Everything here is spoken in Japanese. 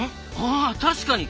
あ確かに。